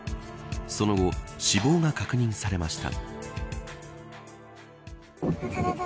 その後、死亡が確認されました。